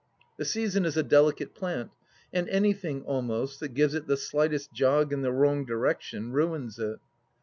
The season is a delicate plant, and anything, almost, that gives it the slightest jog in the wrong direction ruins it.